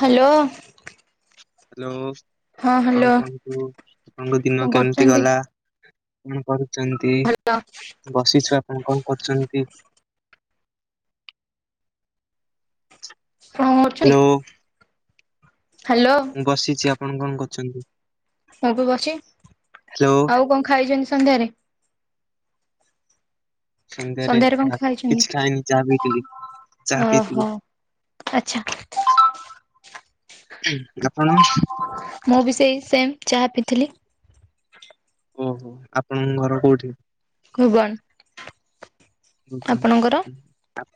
Hello hello ହଁ କଣ hello କୁହନ୍ତୁ ଆପଣଙ୍କ କଣ ଦିନ କେମିତି କରୁଛନ୍ତି? ଗଲା? ତଁ କରୁଚ। ଭଲ ବସିଛୁ ଆପଣ କଣ କରୁଛନ୍ତି? କଣ କରୁଛନ୍ତି? ହ୍ୟାଲୋ ହ୍ୟାଲୋ ବସିଛି ଆପଣ କଣ କରୁଛନ୍ତି? ମୁଁ ବି ବସି ହ୍ୟାଲୋ ଆଉ କଣ ଖାଇଛନ୍ତି ସନ୍ଧ୍ୟାରେ? ସନ୍ଧ୍ୟାରେ କଣ ଖାଇଛନ୍ତି? କିଛି ଖାଇନି ଚାହା ପିଇଥିଲି ଚାହା ପିଇଥିଲି। ଆଚଛା। ଆପଣ। ମୁଁ ବି ସେଇ ସେମ୍ ଚାହା ପିଇଥିଲି। ଓହୋ ଆପଣଙ୍କ ଘର କୋଉଠି? ଭୁବନ [unintelligible] ହଁ କଣ ଆପଣଙ୍କର? [unintelligible]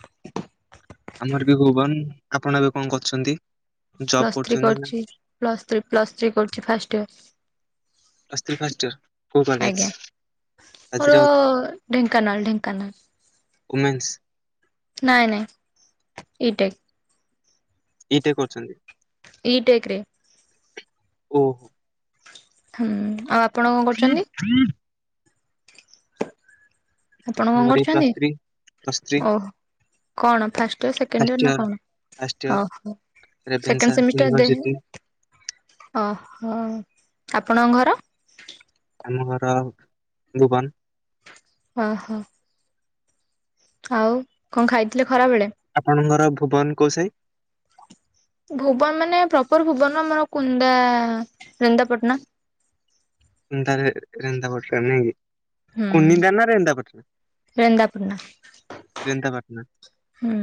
ଆମର ବି ଭୁବନ ଆପଣ ଏବେ କଣ କରୁଛନ୍ତି। ଜବ୍ ପ୍ଲସ୍ ଥ୍ରୀ କରୁଛନ୍ତି ନା କରୁଛି ପ୍ଲସ୍ ଥ୍ରୀ ପ୍ଲସ୍ ଥ୍ରୀ କରୁଛି first year. Plus three first year ଆଜ୍ଞା ମୋର ଢେଙ୍କାନାଳ ଢେଙ୍କାନାଳ ଓୁମେନ୍ସ୍ ନାଇଁ ନାଇଁ ଏଇଟା ଇଟେ କରୁଛନ୍ତି। ଇ ଟେକରେ। ଓହୋ ହୁଁ ଆପ [unintelligible] [inaudible] ଆପଣ କଣ ମୋର ଏଇ କରୁଛନ୍ତି ପ୍ଲସ୍ ଥ୍ରୀ ପ୍ଲସ୍ ଥ୍ରୀ ଓହୋ କଣ ଫାଷ୍ଟ ଇୟର ସେକେଣ୍ଡ ଇୟର ନା ଫାଷ୍ଟ ଇୟର କଣ ଓହୋ। ରେଭେନ୍ସା ସେକେଣ୍ଡ ସେମିଷ୍ଟ ଦେ ୟୁନିଭର୍ସିଟି ଓହୋ ଆପଣଙ୍କ ଘର? ଆମ ଘର ଭୁବନ। ହଁ ହଁ ଆଉ କଣ ଖାଇଥିଲେ ଖରାବେେଳେ ଆପଣଙ୍କର ଭୁବନ କୋଉ ସାହିଡ଼? ଭୁବନ ମାନେ ପ୍ରପର ଭୁବନ ଆମର କୁନ୍ଦା ନିନ୍ଦାପାଟଣା। [inaudible] ହୁଁ। କୁଡି ଦ ନା ର ଏନ୍ଦା ପାଟଣା [unintelligible] [inaudible] ରେନ୍ଦାପାଟଣା ହୁଁ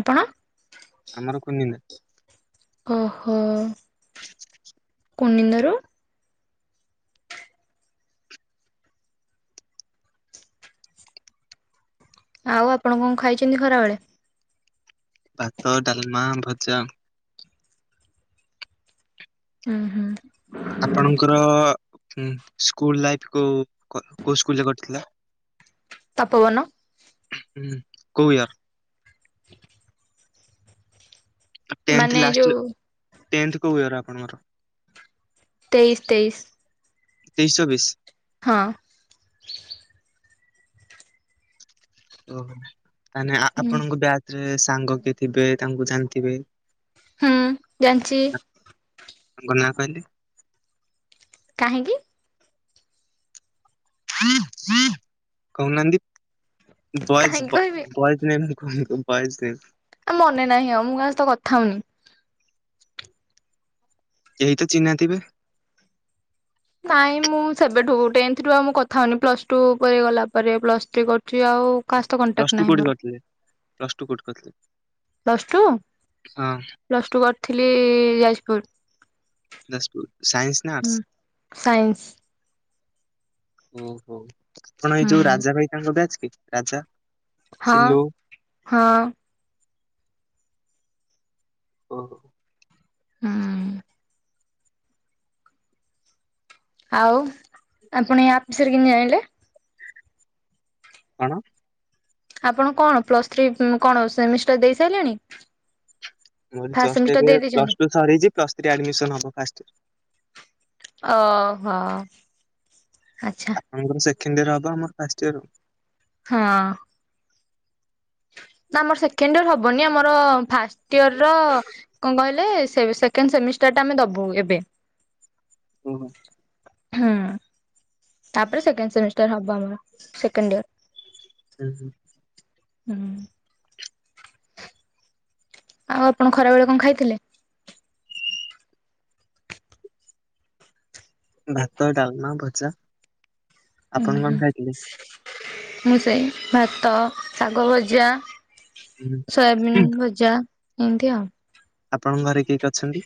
ଆପଣ ଆମର କନିନା ଓହୋ କୋନିନ୍ଦାରୁ? [unintelligible] ଆଉ ଆପଣ କଣ ଖାଇଛନ୍ତି ଖରାବେେଳେ? ଭାତ ଡାଲମା ଭଜା। ହଁ ହୁଁ ଆପଣଙ୍କର ସ୍କୁଲ ଲାଇଫ କୋଉ କୋଉ ସ୍କୁଲରେ କଟିଥିଲା। ତପବନ। ହୁଁ କୋଉ ୟର [unintelligible] [inaudible] [inaudible] ଟେନ୍ଥ ମାନେ ଯୋଉ ଲାଷ୍ଟ ତେନ୍ଥ କୋଉ ଆପଣଙ୍କର? ତେଇଶ ତେଇଶ [inaudible] ହଁ। ତା--ନେ ଆପଣଙ୍କ ବ୍ୟାଚ୍ ରେ ସାଙ୍ଗ କିଏ ଥିବେ, ତାଙ୍କୁ ଜା---ଥିବେ। ହୁଁ, ଜାନ୍‌ଚି। [inaudible] କାହିଁକି? [inaudible] କାହିଁକି କହିବି? [inaudible] ମନେ ନାହିଁ ଆଉ, ମୁଁ କା ସହିତ କଥା ହଉନି। କେହି ତ ଚିହ୍ନା ଥିବେ। ନାଇଁ, ମୁଁ ସେବେଠୁ ଟେନ୍‌ଥ୍ ରୁ ଆଉ ମୁଁ କଥା ହଉନି। ପ୍ଲସ୍‌ଟୁ ପରେ ଗଲା ପରେ ପ୍ଲସ୍‌ଥ୍ରୀ କର୍ଚି ଆଉ। କାହା ସହିତ କଣ୍ଟାକ୍ଟ ପ୍ଲସ୍‌ଟୁ ନାହିଁ କଉଠି ମୋର କର୍ଥିଲେ ପ୍ଲସ୍‌ଟୁ କ ଠି କ--ଲେ? ପ୍ଲସ୍‌ଟୁ, ପ୍ଲସ୍‌ଟୁ କର୍ଥିଲି ଯାଜ୍‌ପୁର୍। ଯାଜ୍‌ପୁର୍, ସାଇନ୍ସ ନା ହୁଁ ଆର୍ଡ଼ସ୍‌। ସାଇନ୍ସ ଆପଣ ଏଇ ଯଉ ହୁଁ ରାଜା ଭାଇ, ତାଙ୍କ ବ୍ୟାଚ୍ କି ରାଜା? ହଁ ସିଲୁ ହଁ! [inaudible] [inaudible] ଆଉ ଆପଣ ରେ ଜାଇଁଲେ? କ'ଣ? ଆପଣ କ'ଣ ପ୍ଲସ୍‌ଥ୍ରୀ କ'ଣ ସେମିଷ୍ଟାର୍ ଦେଇ ସାଇଲେଣି? ଜଷ୍ଟ୍ ଏବେ ଦେଇଛନ୍ତି ପ୍ଲସ୍‌ଟୁ ସରିଚି, ପ୍ଲସ୍‌ଥ୍ରୀ ଆଡ୍‌ମିଶନ୍ ହବ ଫାଷ୍ଟେ ଆଚ୍ଛା। ସେଖେଣ୍ଡେ ଇୟର୍ ହବ, ଆମର ଫାଷ୍ଟ୍ ଇୟର୍ ହଁ! ନା, ଆମର ସେକେଣ୍ଡ୍ ଇୟର୍ ହବନି ଆମର ଫାଷ୍ଟ୍ ଇୟର୍ ର ଙ୍କ କହିଲେ ସେକେଣ୍ଡ୍ ସେମିଷ୍ଟାର୍ ଟା ଆମେ ଦବୁ ଏବେ। [inaudible] [inaudible] ତା'ପରେ ସେକେଣ୍ଡ୍ ସେମିଷ୍ଟାର୍ ହବ ଆମର, ସେକେଣ୍ଡ୍ ୟର୍ [inaudible] [inaudible] ଆଉ---ଖରା ବେଳେ କ'ଣ ଖାଇଥିଲେ? ଭାତ, ଡ଼ାଲ୍‌ମା, ଭଜା, ଉଁ ଆପଣ କ'ଣ ହୁଁ ଖାଇଥିଲେ? ମୁଁ ଭାତ, ଶାଗ ଭଜା ହୁଁ। ସୋୟାବିନ୍ ଭଜା ଇନ୍ତି ଆଉ। ଆପଣଙ୍କ ଘରେ କିଏ କିଏ ଅଛନ୍ତି?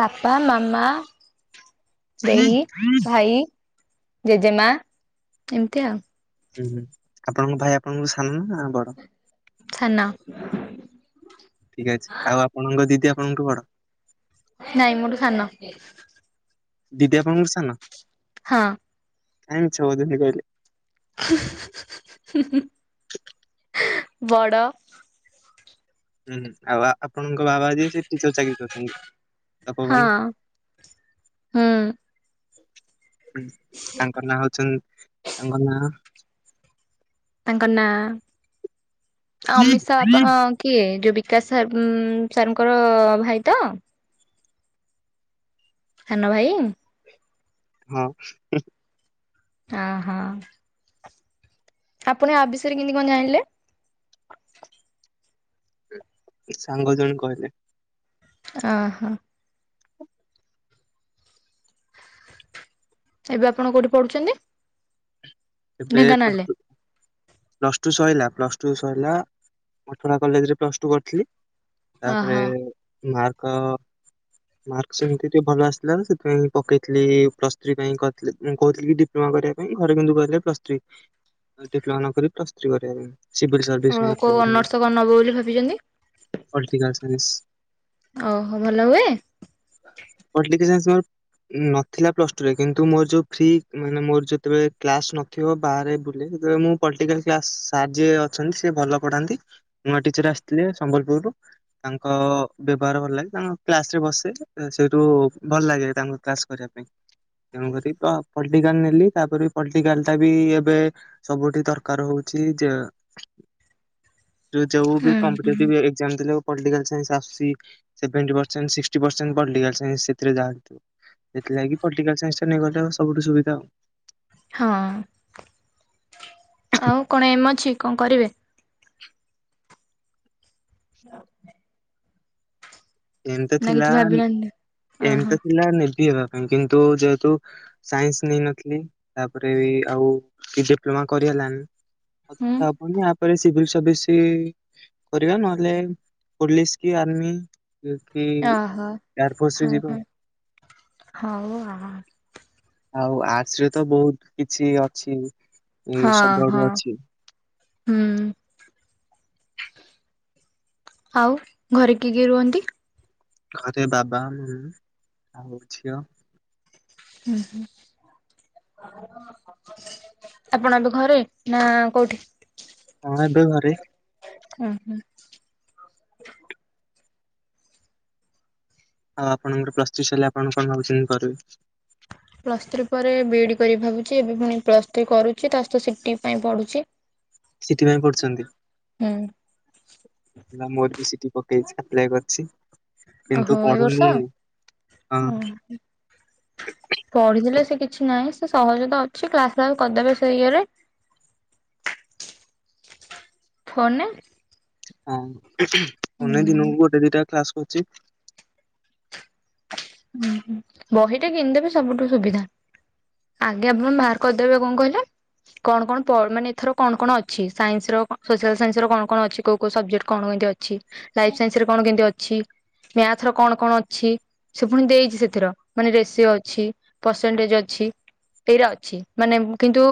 ବାପା, ମାମା ହୁଁ ଦେଇ, ଭାଇ, ଜେଜେମା ଏମ୍ତି ଆଉ। ଆପଣଙ୍କ ଭାଇ ଆପଣଙ୍କୁ ସାନ ନା ବଡ଼? [inaudible] ଅଛି ଆଉ ଆପଣଙ୍କ ଦିଦି ଆପଣଙ୍କଠୁ ବଡ଼। ନାଇଁ, ମୋଠୁ ସାନ। ଦିଦି ଆପଣ ସାନ। ହଁ! ମିଛ କହୁଚନ୍ତି କ--ଲେ। [inaudible] ଆଉ ଆପଣଙ୍କ ବାବା ଯିଏ, ସିଏ ଟିଚର୍ ଚାକିରି କରିଚନ୍ତି। ହଁ ହୁଁ [unintelligible] [inaudible] ତାଙ୍କ ନାଁ ଆ ଅମିତ ଶାହା ଆପଣ କିଏ ଯୋଉ ବିକାଶ ସାର୍ ଉଁ ସାର୍ ଙ୍କର ଭାଇ ତ? ସାନ ଭାଇ ହଁ। ହଁ ହଁ। ଆପଣ ୟା ବିଷୟରେ କେନ୍ତି କଣ ଜାଣିଲେ? ସାଙ୍ଗ ଜଣେ କହିଲେ। ଓହୋ। ଏବେ ଆପଣ କୋଉଠି ପଢୁଚନ୍ତି? ଏବେ ପ୍ଲସ୍ ଟୁ ପ୍ଲସ୍ ଟୁ ସଇଲା ପ୍ଲସ୍ ଟୁ ସଇଲା ମଠୁଣା କଲେଜରେ ପ୍ଲସ୍ ଟୁ କରିଥିଲି। ତାପରେ ଓହୋ। ମାର୍କ ମାର୍କ ସେମ୍ତି ଟିକେ ଭଲ ଆସିଲାନି ସେଥିପାଇଁ ପକେଇଥିଲି ପ୍ଲସ ଥ୍ରୀ ପାଇଁ କରିଥିଲି ମୁଁ କହୁଥିଲି ଡିପ୍ ଡିପ୍ଲମା କରିବା ପାଇଁ ଘରେ କିନ୍ତୁ କହିଲେ ପ୍ଲସ୍ ଥ୍ରି ଡିପ୍ଲମା ନ କରି ପ୍ଲସ୍ ଥ୍ରି କରିବା ପାଇଁ। ସିଭିଲ୍ ଓ ସର୍ଭିସ୍ ପାଇଁ କୋଉ ଅପ୍ୟା କରିବେ। ଅନର୍ସ କଣ ନବ ବୋଲି ଭାବିଛନ୍ତି ପଲ୍ଟିକାଲ୍ ସାଇନ୍ସ୍ ଓହୋ ଭଲ ହୁଏ? ପଲ୍ଟିକା ସାଇନ୍ସ୍ ମୋର୍ ନଥିଲା ପ୍ଲସ୍ ଟୁରେ କିନ୍ତୁ ମୋର୍ ଯୋଉ ଫ୍ରି ମାନେ ମୋର ଯେତବଳେ କ୍ଲାସ ନ ଥିବ ବାହାରେ ବୁଲେ [unintelligible] ମୁଁ ପାଲ୍ଟିକାଲ୍ କ୍ଲାସ୍ ସାର୍ ଯିଏ ଅଛନ୍ତି ସିଏ ଭଲ ପଢାନ୍ତି। ନୂଆ ଟିଚର ଆସିଥିଲେ ସମ୍ବଲପୁରରୁୁ ତାଙ୍କ ବ୍ୟବହାର ଭଲ ଲାଗେ, ତାଙ୍କ କ୍ଲାସରେ ବସେ, ସେଇଠୁ ଭଲ ଲାଗେ ତାଙ୍କ କ୍ଲାସ ପାଇଁ ତେଣୁକରି ତ ପଲଟିକାଲ ନେଲି ତାପରେ ପଲଟିକାଲ ତଥାପି ଏବେ ସବୁଠି ଦରକାର ହଉଛି ଯେ ଯୋଉ ହୁଁ ହୁଁ। କମ୍ପିଟେଟିଭ ଏକ୍ସାମ ଦେଲେ ପଲଟିକାଲ ସାଇନ୍ସ ଆସୁଛି। Seventy percent sixty percent political science ସେଥିରେ ଯାହା ହେଲେ ଥିବ। ସେଥିଲାଗି ପଲଟିକାଲ ସାଇନ୍ସଟା ନେଇଗଲେ ସବୁଠୁ ସୁବିଧା ଆଉ। ହଁ ଆଉ କଣ ଏମ ଅଛି କଣ କରିବେ? [inaudible] ଏମିତି ନା ଥିଲା କିଛି ଭାବିନାହାନ୍ତି? ଓହୋ ଏମିତି ଥିଲା ନେବି ହେବା ପାଇଁ କିନ୍ତୁ ଯେହେତୁ ସାଇନ୍ସ ନେଇନଥିଲି ତାପରେ ବି ଆଉ କିଛି ଡିପ୍ଲୋମା କରି ହେଲାନି ହୁଁ କଥା ହବୁନି ଆଉ। ସିଭିଲ ସର୍ଭିସ୍ କରିବା ନହେଲେ ପୋଲିସ କି ଆର୍ମି କି ଅହୋ ଏୟାରଫୋର୍ସ ରେ ହ ଯିବ ହ ହଉ ଆ। ଆଉ ଆର୍ଟସ୍ ରେ ତ ବହୁତ୍ କିଛି ଅଛି। ଏ ହଁ ସବୁଆଡୁ ହଁ ଅଛି ହୁଁ। ଆଉ ଘରେ କିଏ କିଏ ରୁହନ୍ତି? ଘରେ ବାବା ମାମ ଆଉ ଝିଅ। ହୁଁ ହୁଁ। ଆପଣ ଘରେ ନା କୋଉଠି? ହଁ ଏବେ ଘରେ। ହୁଁ ହୁଁ। ଆଉ ଆପଣଙ୍କର ପ୍ରସ୍ତୁତି ସଇଲେ ଆପଣ କଣ ଭାବୁଛନ୍ତି କରିବେ? ପ୍ଲସ ଥ୍ରୀ ପରେ ବି ଇଡି କରି ଭାବୁଛି, ଏବେ ପୁଣି ପ୍ଲସ୍ ଥ୍ରୀ କରୁଛି ତା ସତ ସିଟି ପାଇଁ ପଢୁଛି। ସି ଟି ପାଇଁ ପଢୁଛନ୍ତି? ହୁଁ ହେଲା ମୋର ବି ସି ଟି ପକେଇଛି, ଆପ୍ଲାଏ କରିଛି। କିନ୍ତୁ ଓହୋ ଏ ପଢୁନି ବର୍ଷ ଆ ଓ ପଢିଥିଲେ ସେ କିଛି ନାହିଁ ସେ ସହଜ ତ ଅଛି, କ୍ଲାସ ଫ୍ଲାସ କରିଦେବେ ସେ ଇଏରେ। ଫୋନ ରେ। ହଁ ଅନେକ ଦିନକୁ ଗୋଟେ ଦିଟା କ୍ଲାସ କରୁଛି। ହଁ ବହିଟା କିଣିଦେବେ ସବୁଠୁ ସୁବିଧା। ଆଜ୍ଞା ଆପଣ ବାହାର କରିଦେବେ, କଣ କହିଲେ? କଣ କଣ ପ ମାନେ ଏଥର କଣ କଣ ଅଛି? ସାଇନ୍ସର ସୋସିଆଲ ସାଇନ୍ସ କଣ କଣ ଅଛି? କୋଉ କୋଉ ସବଜେକ୍ଟ କଣ କେମିତି ଅଛି? ଲାଇଫ ସାଇନ୍ସରେ କଣ କେମିତି ଅଛି, ମ୍ୟାଥର କଣ କଣ ଅଛି? ସେ ପୁଣି ଦେଇଛି ସେଥିର ମାନେ ରେସିଓ ଅଛି, ପରସେଣ୍ଟେଜ ଅଛି। ଏଇଟା ଅଛି ମାନେ କିନ୍ତୁ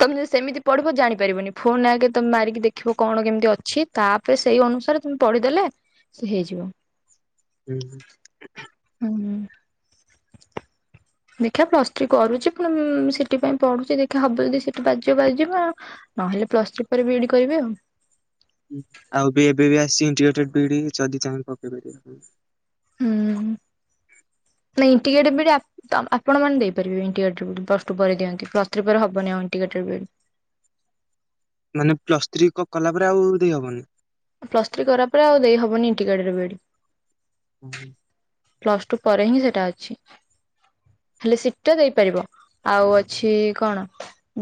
ତମେ ସେମିତି ପଢିବ ଜାଣି ପାରିବନି, ଫୋନରେ ଆଗେ ତମେ ମାରିକି ଦେଖିବ କଣ କେମିତି ଅଛି? ତାପରେ ସେଇ ଅନୁସାରେ ତମେ ପଢିଦେଲେ, ସେ ହେଇଯିବ। ହୁଁ ହୁଁ। ହୁଁ। ଦେଖିବା ପ୍ଲସ୍ ଥ୍ରୀ କରୁଛି, ପୁଣି ସିଟି ପାଇଁ ପଢୁଛି ଦେଖିବା ହବ ଯଦି ସି ଟି ବାଜିଯିବ ବାଜିଯିବ ନହେଲେ ପ୍ଲସ୍ ଥ୍ରି ପରେ ବି ଇ ଡି କରିବି ଆଉ ଆଉ ବି ଏବେ ବି ଆସିଛି ଇନ୍ତିଗ୍ରେଟେଡ ବି ଇ ଡି ଯଦି ଚାହିଁବ ପକେଇ ପାରିବ। ହୁଁ ନାଇଁ ଇଣ୍ଟିଗେଟ୍ ବି ଇ ଡି ଆପ ତ ଆପଣମାନେ ଦେଇପାରିବେ, integrated B E D plus two ପରେ ଦିଅନ୍ତି, ପ୍ଲସ ଥ୍ରି ପରେ ହେବନି ଆଉ ଇନ୍ଟିଗେଟେଡ ବି ଇ ଡି। ମାନେ ପ୍ଲସ ଥ୍ରୀ କଲା ପରେ ଆଉ ଦେଇହବନି। ପ୍ଲସ ଥ୍ରୀ କଲା ପରେ ଆଉ ଦେଇ ହବନି ଇନ୍ଟିଗେଟେଡ ବି ଇ ଡି। ହୁଁ ହୁଁ। ପ୍ଲସ ଟୁ ପରେ ହିଁ ସେଇଟା ଅଛି। ହେଲେ ସିଟ ଟା ଦେଇପାରିବ ଆଉ ଅଛି କଣ?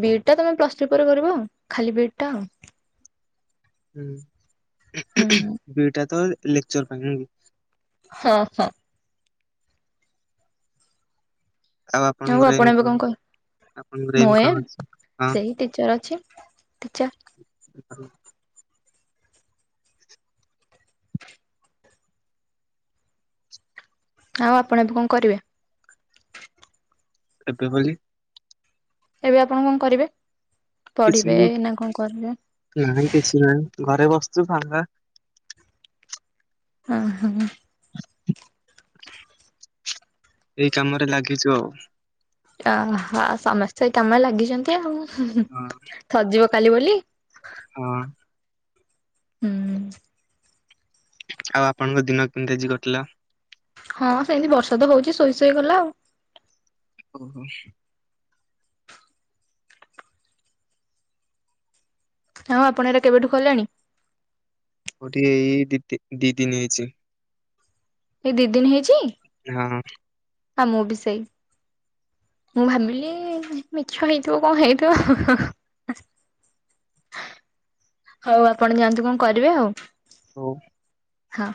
ବି ଇ ଡ଼ ଟା ତମେ ପ୍ଲସ୍ ଟୁ ପରେ କରିବ ଖାଲି ବି ଇ ଡ଼ ଟା ଆଉ ହୁଁ ହୁଁ ବି ଇ ଡ଼ ଟାତ ଲେକ୍ଚର ପାଇଁ ନୁହେଁ କି। ହଁ ହଁ ଆଉ ଆପଣଙ୍କର ଆପଣ ଏଇମ ଏବେ କଣ? କ ଆପଣଙ୍କର ମୁଁ ଏମ ଏ କଣ ଅଛି? ସେଇ ଟିଚର ଅଛି ଟିଚର ଆଉ ଆପଣ ଏବେ କଣ କରିବେ? ଏବେ ବୋଲି। ଏବେ ଆପଣ କଣ କରିବେ ପଢିବେ ନା କଣ କରିବେ। ନାଇଁ କିଛି ନାହିଁ ଘରେ ବସିଛୁ ଫାଙ୍ଗା। ଓ ହଁ [inaudible] [unintelligible] ଏଇ କାମ ରେ ଲାଗିଛୁ ଆଉ। ଅହ ସମସ୍ତେ କାମ ଲାଗିଛନ୍ତି ଆଉ ହଁ [unintelligible] କାଲି ବୋଲି। ହଁ ହୁଁ ଆଉ ଆପଣଙ୍କ ଦିନ କେମିତି ଆଜି କଟିଲା ହଁ ସେମିତି ବର୍ଷ ତ ହଉଛି ଶୋଇ ଶୋଇଗଲା ଆଉ ଓ ହୋ ହଁ ଆପଣ ଏଟା କେବେଠୁ କଲେଣି ଗୋ ଟିକେ ଏଇ ଦି ଦି ଦିନ ହେଇଛି ଏଇ ଦୁଇ ଦିନ ହେଇଛି ହଁ ହଁ ମୁଁ ବି ସେଇ ମୁଁ ଭାବିଲି ମିଛ ହେଇଥିବ କଣ ହେଇଥିବ। ହଉ ଆପଣ ଯାଆନ୍ତୁ କଣ କରିବେ ଆଉ। ହଉଁ। ହଁ